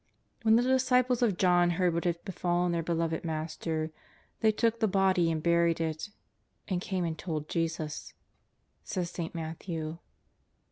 When the disciples of John heard what had befallen their beloved master, they took the body and buried it, " and came and told Jesus," says St. Matthew.